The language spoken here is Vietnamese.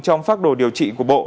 trong phác độ điều trị của bộ